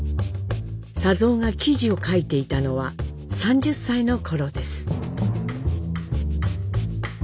佐三が記事を書いていたのは３０歳の頃です。